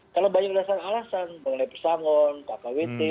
kalau banyak alasan alasan mengenai pesangon kakak wetik